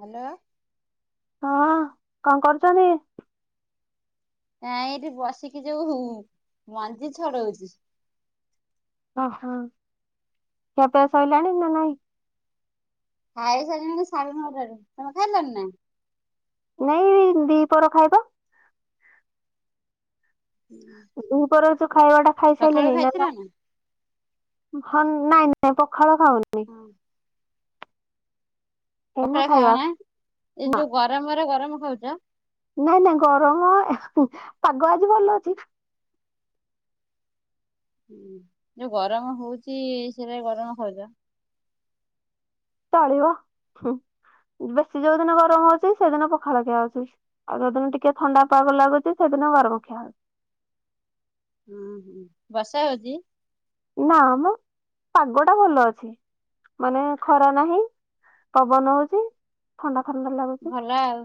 Hello. ହଁ କଣ କରୁଛନ୍ତି? ନାଇଁ ଏଇଠି ବସିକି ଯୋଉ ଯଉ ମଞ୍ଜି ଛଡଉଛି। ଓହୋ ଖିଆ ପିଆ ସଇଲାଣି ନା ନାହିଁ। ଖାଇସାରିଲିଣି ସାଢେ ନଟାରୁ ତମେ ଖାଇଲଣି ନା। ନାଇଁ ଦି ପହର ଖାଇବା ଦି ପହର ଯୋଉ ଖାଇବାଟା ଖାଇସାଇ ସକାଳୁ ଲେଣି ନା ଖାଇଥିଲ ନାହିଁ। ଭ ନାଇଁ ନାଇଁ ପଖାଳ ଖାଉନି। ହଁ। ଏଇନା ପଖାଳ ଖାଅ ଖାଇବା ନା ଏ ନା ଯୋଉ ଗରମରେ ଗରମ ଖାଉଛ। ନାଇଁ ନାଇଁ ଗରମ ପାଗ ଆଜି ଭଲ ଅଛି। ହୁଁ ଯୋଉ ଗରମ ହଉଚି ସେଇରା ରେ ଗରମ ଖାଉଛ। ଚଳିବ ହୁ ବେଶୀ ଯୋଉ ଦିନ ଗରମ ହଉଛି ସେଦିନ ପଖାଳ ଖିଆ ହଉଛି। ଆଉ ଯୋଉଦିନ ଟିକେ ଥଣ୍ଡାପାଗ ଲାଗୁଛି ସେଦିନ ଗରମ ଖିଆ ହଉଛି। ହୁଁ ହୁଁ ବସା ହୋଉଚି। ନା ମ ପାଗ ଟା ଭଲ ଅଛି। ମାନେ ଖରା ନାହିଁ ପବନ ହଉଚି ଥଣ୍ଡା ଥଣ୍ଡା ଲାଗୁ ଭଲ ଆଉ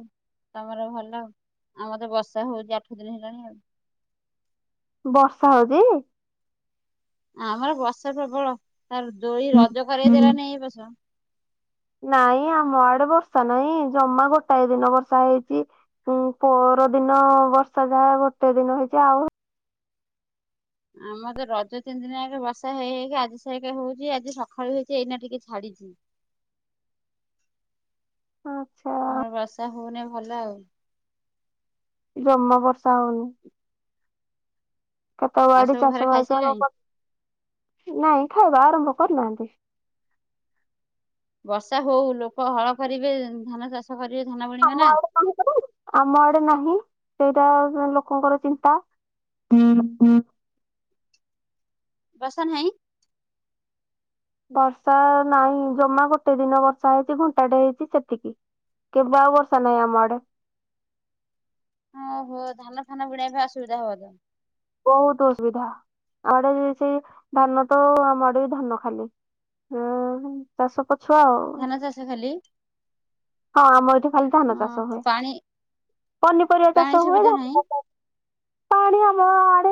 ତମର ଭଲ ଆମର ତ ବର୍ଷା ହଉଛି ଆଠ ଦିନ ହେଲାଣି ଆଉ। ବର୍ଷା ହଉଚି। ଆମର ବର୍ଷା ପ୍ରବଳ ତାର ଦୋଳି ରଜ କରାଇ ହଉଛି? ଦେଲାନି ଏ ବର୍ଷ। ନାଇଁ ଆମ ଆଡେ ବର୍ଷା ନାହିଁ ଜମା ଗୋଟାଏ ଦିନ ବର୍ଷା ହେଇଚି। ଉଁ ପର ଦିନ ବର୍ଷା ଯାହା ଗୋଟେ ଦିନ ହେଇଚି ଆଉ ଆମର ତ ରଜ ତିନି ଦିନ ଯାକ ବର୍ଷା ହେଇ ହେଇକି ଆଜି ସକାରେ ହଉଛି ଆଜି ସକାଳୁ ହେଇଛି ଏଇନା ଟିକେ ଛାଡିଛି। ଆଚ୍ଛା। ତମର ବର୍ଷା ହଉନେଇ ଭଲ ଆଉ। ଜମା ବର୍ଷା ହଉନି। କ୍ଷେତ ଆଉ ବାଡି ସବୁ ଘରେ ଚାଷ ବାସ କଣ ଖାଇସାରିଲେଣି? କ ନାଇଁ ଖାଇବା ଆରମ୍ଭ କରିନାହାନ୍ତି। ବର୍ଷା ହଉ ଲୋକ ହଳ କରିବେ ଧାନ ଚାଷ କରିବେ ଧାନ ଆମ ବୁଣିବେ ନା। ଆଡେ ଆମ ଆଡେ ନାହିଁ ସେଇଟା ଉ ଲୋକଙ୍କର ଚିନ୍ତା। ହୁଁ ହୁଁ। ବର୍ଷା ନାହିଁ। ବର୍ଷା ନାହିଁ ଜମା ଗୋଟେ ଦିନ ବର୍ଷା ହେଇଛି ଘଣ୍ଟାଟେ ହେଇଛି ସେତିକି। କେବେ ଆଉ ବର୍ଷା ନାଇଁ ଆମଆଡେ। ହଁ ହୋ ଧାନ ଫାନ ବୁଣିବା ପାଇଁ ଅସୁବିଧା ହବ ବଧେ। ବହୁତ ଅସୁବିଧା ଆଡେ ସେଇ ଧାନ ତ ଆମ ଆଡେ ବି ଧାନ ଖାଲି। ହୁଁ ଚାଷ ପଛୁଆ ଆଉ। ଧାନ ଚାଷ ଖାଲି ହଁ ଆମର ଏଠି ଖାଲି ଧାନ ଚାଷ ହୁଏ ଓହୋ ପାଣି ପନିପରିବା ପାଣି ଚାଷ ହୁଏ ସୁବିଧା ନାହିଁ [unintelligible] ପାଣି ଆମ ଆଡେ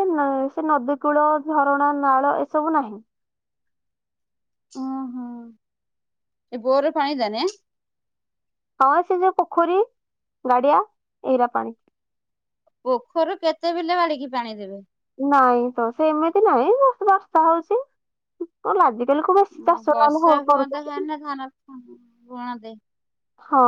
ସେ ନଦୀ କୂଳ ଝରଣା ନାଳ ଏସବୁ ନାହିଁ। ଓ ହୋଁ ଏ ବୋର ପାଣି ତାନେ। ହଁ ସେ ଯୋଉ ପୋଖରୀ ଗାଡିଆ ଏଇରା ପାଣି। ପୋଖରୀରୁ କେତେ ବିଲ ବାଡିକି ପାଣି ଦେବେ। ନାଇଁ ତ ସେମିତି ନାଇଁ ବାସ୍ ବର୍ଷା ହଉଛି। ଆଜିକାଲି କୁ ବେଶୀ ଚାଷ ନହେଲେ ହଉ କରୁଛନ୍ତି କି। ନା ଖାଆନା ଝୁଣା ଦେ ହଁ।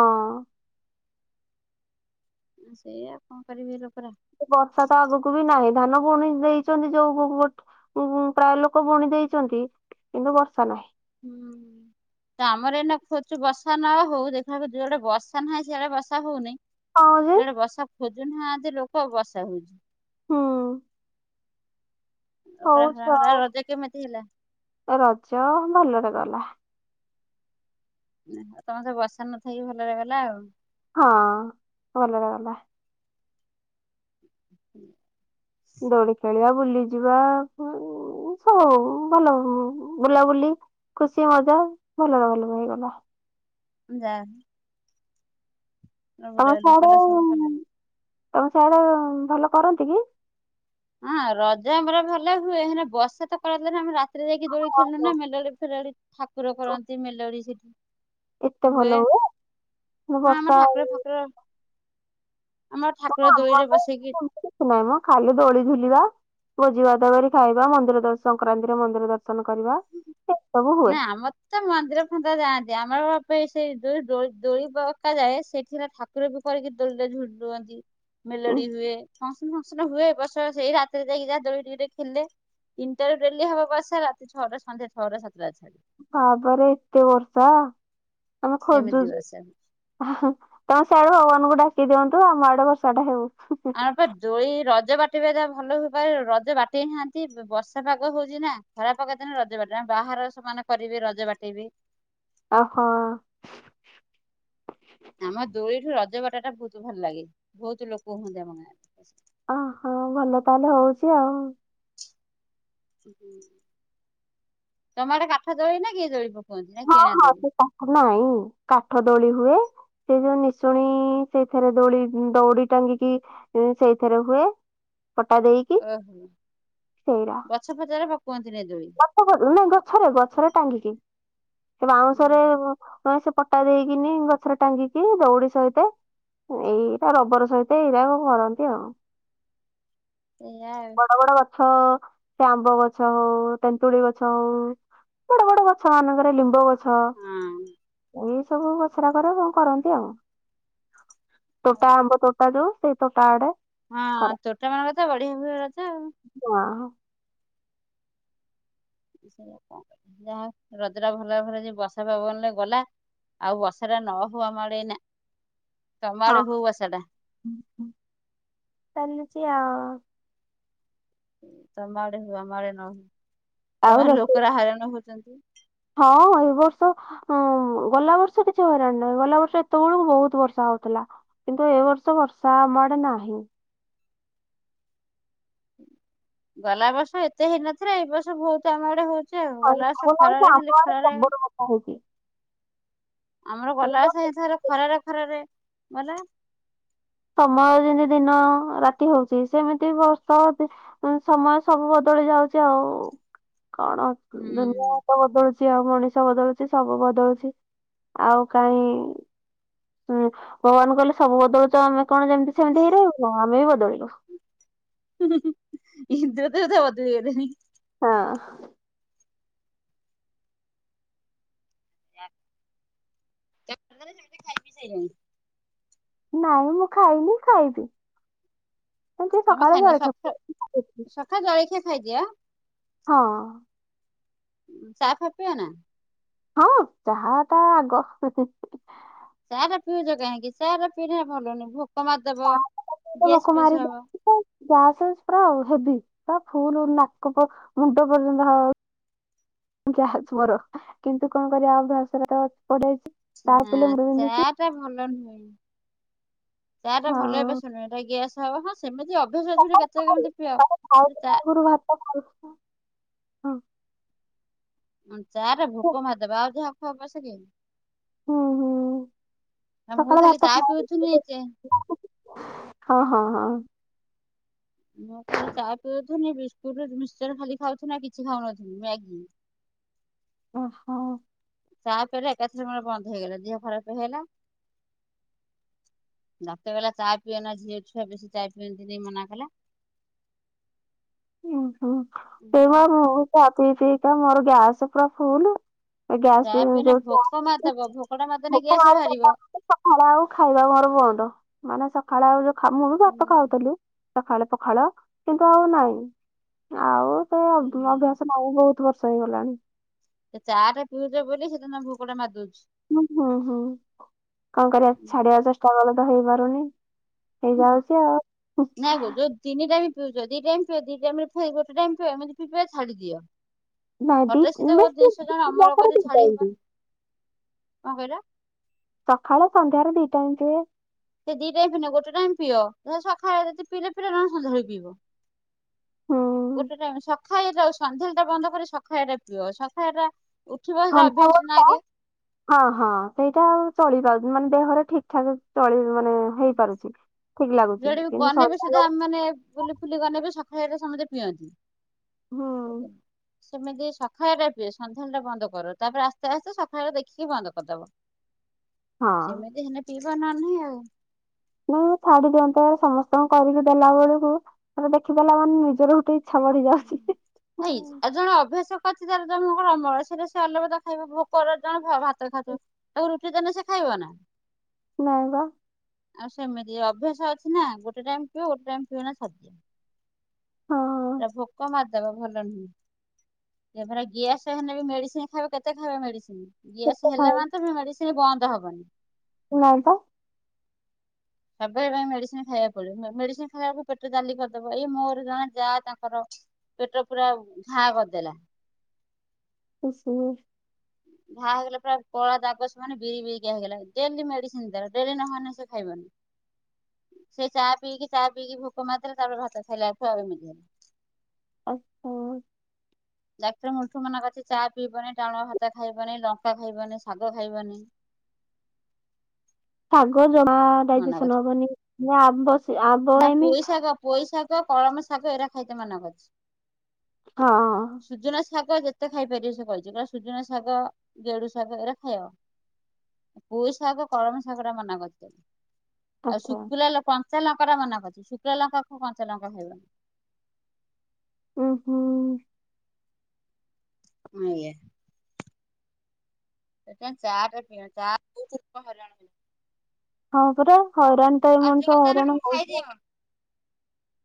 ସେଇଆ କଣ କରିବେ ଏ ଲୋକ ରା। ବର୍ଷା ତ ଆଗକୁ ବି ନାହିଁ ଧାନ ପୁଣି ଦେଇଛନ୍ତି ଯୋଉ ଗୋ ଗୋଟେ ହୁଁ ହୁଁ ପ୍ରାୟ ଲୋକ ବୁଣି ଦେଇଛନ୍ତି କିନ୍ତୁ ବର୍ଷା ନାହିଁ। ହୁଁ। ତ ଆମର ଏନା ଖୋଜୁଛୁ ବର୍ଷା ନ ହଉ ଦେଖିଆକୁ ଯୋଉଡେ ବର୍ଷା ନାହିଁ ସେଇଆଡେ ବର୍ଷା ହଉନେଇ। ହଁ ଯେ ଜଉଆଡେ ବର୍ଷା ଖୋଜୁ ନାହାନ୍ତି ଲୋକ ବର୍ଷା ହଉଚି। ହୁଁ। ପୁରା ହଉଛଉ ପୁରା ରଜ କେମିତି ହେଲା ରଜ ଭଲରେ ଗଲା। ତମର ତ ବର୍ଷା ନଥାଇକି ଭଲରେ ହେଲା ଆଉ। ହଁ ଭଲରେ ଗଲା। ଦୋଳି ଖେଳିବା ବୁଲି ଯିବା ହୋଉ ଭଲ ବୁଲାବୁଲି ଖୁସି ମଜା ଭଲରେ ଭଲରେ ହେଇଗଲା। ଯା ତମ ବୁଲାବୁଲି ସିଆଡେ କଲେ ସବୁ କଲେ। ତମ ସିଆଡେ ଭଲ କରନ୍ତି କି? ହଁ ରଜ ଆମର ଭଲ ହୁଏ ହେନେ ବର୍ଷା ତ କରେଇଦି ନା ଆମେ ରା ସେଥିରେ ଯାଇକି ଦୋଳି ଖେଳିଲୁ ନା ମେଲୋଡ଼ି ଫେଲୋଡି ଠାକୁର କରନ୍ତି ମେଲୋଡ଼ି ସେଠି ଏତେ ଭଲ ହୁଏ। ମୁଁ ହଁ ବର୍ଷା ଆମର ଠାକୁର ଫାକୁର ଆମ ମାନେ ଠାକୁର ଆମ ଦୋଳିରେ ଆଡେ ବସେଇକି ସେମିତି କିଛି ନାହିଁ ମ ଖାଲି ଦୋଳି ଝୁଲିବା ଭୋଜି ଭାତ କରି ଖାଇବା ମନ୍ଦିର ଦର୍ଶନ ସଂକ୍ରାନ୍ତିରେ ମନ୍ଦିର ଦର୍ଶନ କରିବା। ଏ ସବୁ ହୁଏ। ନାଁ ଆମର ତ ମନ୍ଦିର ଫନ୍ଦିର ଯାଆନ୍ତି ଆମର ବାପା ସେ ଦୋଳି ପକା ଯାଏ ସେଇଠି ରେ ଠାକୁର ଠାକୁର କରିକି ଦୋଳିରେ ଝୁଲୁଅନ୍ତି। ଉଁ, ମେଲୋଡ଼ି ହୁଏ ଫକ୍ସନ ଫକ୍ସନ ହୁଏ। ଏବର୍ଷ ସେଇ ରାତିରେ ଯାଇକି ଟିକେ ଟିକେ ଦୋଳି ଖେଲେ। ତିନଟା ରୁ ଡେଲି ହବ ବର୍ଷା ରାତି ଛଅଟା ସନ୍ଧ୍ୟା ଛଅଟା ସାତଟା ଯାଏ ବାପରେ ଏତେ ବର୍ଷା। ଆମେ ଏମିତି ଖୋଜୁଚୁ। ବର୍ଷା ତମେ ସିଆଡୁ ଭଗବାନଙ୍କୁ ଡାକି ଦିଅନ୍ତୁ ଆମ ଆଡେ ବର୍ଷା ଟା ହଉ। ଆମର ପା ଦୋଳି ରଜ ବାଟିବା ତା ଭଲ ବେପାରେ ରଜ ବାଟେଇ ନାହାନ୍ତି ବର୍ଷା ପାଗ ହଉଚି ନା। ଖରା ପାଗ ଦିନେ ରଜ ବାଟ ବାହାର ସେମାନେ କରିବେ ରଜ ବାଟେଇବେ। ଓହୋ। ଆମ ଦୋଳିଠୁ ରଜ ବାଟା ଟା ବହୁତ ଭଲ ଲାଗେ ବହୁତ ଲୋକ ହୁଅନ୍ତି ଆମ ଗାଁରେ। ଓହୋ ଭଲ ତାହେଲେ ହଉଚି ଆଉ। ତମ ଆଡେ କାଠ ଦୋଳି ନା କି ଦୋଳି ପକାନ୍ତି ନା କିଣା ଦୋଳି? କା ନାଇଁ କାଠ ଦୋଳି ହୁଏ। ସେ ଯୋଉ ନିଶୁଣି ସେଇଥିରେ ଦୋଳି ଦୌଡି ଟାଙ୍ଗିକି ସେଇଥିରେ ହୁଏ। ପଟା ଦେଇ ଓହୋ ଗଛ ଫଛ ରେ ପକୁଅନ୍ତି ନି ଦୋଳି? ନାଇଁ ଗଛରେ ଗଛରେ ଟାଙ୍ଗିକି ଏ ବାଉଁଶରେ ହଁ ସେପଟା ଦେଇକିନି ଗଛରେ ଟାଙ୍ଗିକି ଦଉଡି ସହିତ ଏଇଟା ରବର ସହିତ ଏଇରାକ କରନ୍ତି ଆଉ। ଏଇଆ ଉ ବଡ ବଡ ଗଛ ସେ ଆମ୍ବ ଗଛ ହଉ ତେନ୍ତୁଳି ଗଛ ଆଉ ବଡ ବଡ ଗଛ ମାନଙ୍କରେ ଲିମ୍ବ ଗଛ ଏଇ ସବୁ ଗଛରା କରେ କଣ କରନ୍ତି ଆଉ। ତୋଟା ହଁ। ଆମ୍ବ [unintelligible] ସେଇ ମୋଟା ଆଡେ। ହଁ କରନ୍ତି ତୋଟା ମାନଙ୍କ ତ ବଢିଆ ହୁଏ ରଜ ଆଉ। ହଁ। [unintelligible] ଯାହା ହଉ ରଜ ଟା ଭଲ ଭରେ ଯ ବର୍ଷା ପବନରେ ଗଲା। ଆଉ ବର୍ଷା ଟା ନ ହୁଆ ଆମ ଆଡେ ଏଇ ନା। ହଁ ତା ଚାଲିଚି ଆଉ। ତମ ଆଡେ ହଉ ଆମ ଆଡେ ନ ହଉ। ଆଉ ତମଡେ ରୋଷେଇ ଲୋକରା ହଇରାଣ ହଉଚନ୍ତି। ହଁ ଏ ବର୍ଷ ଉଁ ଗଲା ବର୍ଷ କିଛି ହଇରାଣ ନୁହେଁ ଗଲା ବର୍ଷ ଏତେବେଳକୁ ବହୁତ ବର୍ଷା ହଉଥିଲା। କିନ୍ତୁ ଏ ବର୍ଷ ବର୍ଷା ଆମ ଆଡେ ନାହିଁ। ଗଲା ବର୍ଷ ଏତେ ହେଇନଥିଲା ଏଇ ବର୍ଷ ବହୁତ ଆମ ଆଡେ ହଉଚି ଆଉ। ଗଲା ବର୍ଷ ଖରାରେ ଖାଲି ଖରାରେ ଖାଉଛି। ଆମର ଗଲା ବର୍ଷ ବଷ ଖରାରେ ଖରାରେ ଗଲା। ସମୟ ଯେମିତି ଦିନ ରାତି ହୋଉଛି ସେମିତି ବର୍ଷ ହୋଉଛି। ସମୟ ସବୁ ବଦଳି ଯାଉଛି ଆଉ କଣ ହୁଁ। ଦୁନିଆ ତ ବଦଳୁଚି। ସିଏ ଆଉ ମଣିଷ ବଦଳୁଛି ସବୁ ବଦଳୁଛି ଆଉ କାହିଁ। ହୁଁ ଭଗବାନ କହିଲେ ସବୁ ବଦଳୁଛ ଆମେ କଣ ଯେମିତି ସେମିତି ହେଇ ରହିବ ଆମେ ବି ବଦଳିବୁ। ଇନ୍ଦ୍ର ଦେବତା ବଦଳି ଗଲେଣି। ହଁ। ଖାଇ ପି ସାଇଲଣି? ନାଇଁ ମୁଁ ଖାଇନି ଖାଇବି କିନ୍ତୁ ସକାଳେ ଜଳଖିଆ ଖାଇଛି। ତା ଜଳଖିଆ ଖାଇଦିଏ ଆଁ। ହଁ। ଚା ଫା ପିଅ ନା? ହଁ ଚହା ଟା ଆଗ। ଚା ଟା ପିଉଛ କାହିଁକି ଚା ପିଇନେ ଭଲ ନୁହେଁ। ଭୋକ ମାରିଦବ। ଗ୍ୟାସ୍ ଭୋକ ଫ୍ୟାସ୍ ମାରି ହବ ଦୋଉଚି ତ ଆଉ। ଗ୍ୟାସ ପୁରା ଆଉ ହେବି ପୁରା ଫୁଲ୍ ନାକ ମୁଣ୍ଡ ପର୍ଯ୍ୟନ୍ତ ହ ଗ୍ୟାସ ମୋର କିନ୍ତୁ କଣ କରିବା ଅଭ୍ୟାସ ରେ ତ ପଡିଯାଇଛି ଚା ନା ପିଇଲେ ମୁଣ୍ଡ ବିନ୍ଧୁଛି। ଚା ଭଲ ନୁହେଁ। ଚାଟା ଭଲ ହଁ। ଅଭ୍ୟାସ ନୁହେଁ। ଏଇଟା ଗ୍ୟାସ ହବ ହଁ ସେମିତି ଅଭ୍ୟାସ ଅଛି। କେତେ ସକାଳେ କେମିତିି ପିଅ। ଖାଇଲି ଚା। [unintelligible] ଚାରେ ହଁ। ଭୋକ ମାରିଦବା ଆଉ ଯାହା କୁହ ପଛକେ। ହୁଁ ହୁଁ। ଆ ମୁଁ ସକାଳେ ଭାତ ଖାଲି ଚା ଖାଏ। ପିଉଥିଲି ଯେ। ହଁ ହଁ ହଁ। ମୁଁ ଖାଲି ଚା ପିଉଥିଲି ବିସ୍କୁଟୁ ମିକ୍ସଚର ଖାଲି ଖାଉଥୁ କିଛି ଖାଉନଥିଲି ମ୍ୟାଗି। ଓହୋ। ଚା ପିଇଲେ ଏକାଥରେ ବନ୍ଦ ହେଇଗଲା ଦେହ ଖରାପ ହେଇ ହେଇଗଲା। ଡାକ୍ତର କହିଲା ଚା ପିଅନା ଝିଅ ଛୁଆ ବେଶୀ ଚା ପିଅନ୍ତିନି ମନା କଲା। ଓହୋ ସେଇ ମୁଁ ଚା ପିଇ ପିଇ କା ମୋର ଗ୍ୟାସ ପୁରା ଫୁଲ୍। ଗ୍ୟାସ ଚା ବି ପିଇନେ ଭୋକ ହେଇଯାଉଛି ମାରିଦବ ଭୋକଟା ମାରିଦେନେ ଭୋକ ଗ୍ୟାସ୍ ବାହାରିବ। ମାରିଦଉଛି। ସକାଳେ ଆଉ ଖାଇବାକୁ ମୋର ବନ୍ଦ ମାନେ ସକାଳେ ଆଉ ଯୋଉ ମୁଁ ବି ଭାତ ଖାଉଥିଲି। ପଖାଳ ପଖାଳ କିନ୍ତୁ ଆଉ ନାଇଁ। ଆଉ ତ ଅଭ୍ୟାସ ନାଇଁ ବହୁତ ବର୍ଷ ହେଇଗଲାଣି। ସେ ଚା ଟା ପିଉଛ ବୋଲି ସେଦିନ ଭୋକଟା ମାରି ଦଉଛି। ହୁଁ ହୁଁ ହୁଁ କଣ କରିବା ଛାଡିବା ଚେଷ୍ଟା କଲେ ତ ହେଇପାରୁନି। ହେଇଯାଉଛି ଆଉ। ନାଇଁ ଗୋ ଯୋଉ ତିନି ଟାଇମ୍ ପିଉଚ ଦି ଟାଇମ୍ ପିଅ ଦି ଟାଇମ୍ ପରେ ଗୋଟେ ଟାଇମ୍ ପିଅ ଏମିତି ପିଇ ପିଇକା ଛାଡ଼ିଦିଅ। ନାଇଁ ଦି ହଠାତ୍ ସୀତ ଓ ବେଶୀ ଜିନିଷ ଜଣ ଦିଟାକରେ ଆମରୋକ ଦି ଛାଡି ଟାଇମ୍ ଦିଏ। କଣ କହିଲେ। ସକାଳେ ସନ୍ଧ୍ୟାରେ ଦି ଟାଇମ୍ ପିଅ। ସେ ଦିଟା ପିଅ ଗୋଟେ ଟାଇମ୍ ପିଅ ସକାଳେ ଯଦି ପିଇଲେ ଫେରେ ସନ୍ଧ୍ୟା ବେଳକୁ ପିଇବ। ହୁଁ ଗୋଟେ ଟାଇମ୍ ସଖାଳେଆଉ ସନ୍ଧ୍ୟା ବେଳେ ବନ୍ଦ କରି ସକାଳ ଦେଖିବ ସକାଳ ଟା। ଥଣ୍ଟ ହୁଅନ୍ତା। ହଁ ହଁ ସେଇଟା ଆଉ ଚଳିପାରୁନି ମାନେ ଦେହରେ ଠିକ୍ ଠାକ୍ ଚଳିବନି। ଯୁଆଡ଼େ ଗନେବି ସନ୍ଧ୍ୟାବେଳେ ସୁଦ୍ଧା ଆମେମାନେ ବୁଲିବୁ। ଫୁଲି ଗନେବି ସକାଳେ ଏଟା ସମସ୍ତେ ପିଅନ୍ତି। ହୁଁ ସେମିତି ସକାଳ ରେ ବେ ସନ୍ଧ୍ୟା ବେଳଟା ବନ୍ଦ କର ତାପରେ ଆସ୍ତେ ଆସ୍ତେ ସକାଳେ ଦେଖିକି ବନ୍ଦ କରିଦବ। [unintelligible] ସେମିତି ହେନେ ପିଇବ ନ ନାହିଁ ଆଉ। ଛାଡ଼ି ଦିଅନ୍ତେ, ସମସ୍ତଙ୍କୁ କରିକି ଦେଲା ବଳୁକୁ। ଦେଖି ଦେଲା ମା ନିଜର ଗୋଟେ [inaudible] [inaudible] ତାକୁ ରୁଟି ଦେନେ ସେ ଖାଇବ ନା। [inaudible] ଆଉ ସେମିତି ଅଭ୍ୟାସ ଅଛି ନା, ଗୋଟେ ଟାଇମ୍ ପିଅ ଗୋଟେ ଟାଇମ୍ ପିଅନା ଦିଅ। ହଁ ଭୋକ ମାର୍ ଦବ, ଭଲ ନୁହେଁ। ଗିଆସ ମେଡ଼ିସି ଖାଇବ, କେତେ ଖାଇବ ମେଡ଼ିସି? ଗ୍ୟାସ ହେଲା ମେଡ଼ିସି ବନ୍ଦ ହବନି। [inaudible] ସବ୍ ବେଳେ ପାଇଁ ମେଡ଼ିସିନ୍‌ ଖାଇବାକୁ ପଡ଼ିବ, ମେଡ଼ିସିନ୍‌ ଖାଇବାକୁ ପେଟ ଜାଲି କର୍ ଦବ। ଏଇ ମୋର ଜା ତାଙ୍କର ପେଟ ପୁରା ଘା କର୍ ଦେଲା। [inaudible] ଘା ହେଇଗଲା, ପୁରା କଳା ଦାଗ ସେ ମାନେ ବିରି ବିରିିକିଆ ହେଇଗଲା, ଡ଼େଲି ମେଡିସିନ ଦେଲା ଡ଼େ ନହେନେ ସେ ଖାଇବନି। [inaudible] ସେଇ ଚା ପିଇକି ଚା ପିଇକି ଭୋକ ମାର୍ ଦେଲା, ତା'ପରେ ଭାତ ଖାଇଲା। [inaudible] ଦାକ୍ତର୍ ମୁଳ୍ଠୁ ମନା କର୍ଚି ଚା ପିଇବନି, ଟାଣୁଆ ଭାତ ଖାଇବନି, ଲଙ୍କା ଖାଇବନି, ଶାଗ ଖାଇବନି। ମନା କରିଛି। ନା ପୋଇ [unintelligible] ଶାଗ ପୋଇ ଶାଗ, କଳମା ଶାଗ ଏରା ଖାଇତେ ମନା କର୍ଚି। ହଁ! ସୁଜୁନା ଶାଗ ଯେତେ ଖାଇପାରିବ ସେ କଇଚି, ସୁଜୁନା ଶାଗ ଗେଡୁ ଶାଗ ଏରା ଖାଇଅ। ପୁଇ ଶାଗ, କଳମା ଶାଗ ରା ମନା କରି ଆଉ ଆଚ୍ଛା ଶୁକିଲା କଞ୍ଚା ଲଙ୍କାଟା ମନା କର୍ଚି, ଶୁକିଲା ଲଙ୍କା କଞ୍ଚା ଲଙ୍କା ଖାଇବନି। [inaudible] [inaudible] [unintelligible] ହଁ, ପରା ହଇରାଣ୍ ତ ଏ ଆଉ ଯୋଉ ମଣିଷ ହଇରା ଯାହା ଖାଇଦିଅ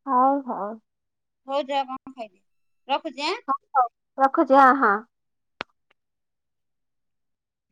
ହଉଚି [unintelligible] [inaudible]